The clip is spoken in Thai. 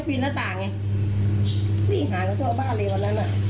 มีหน้าตาไงหาเขาเจ้าบ้านเลยวันนั้น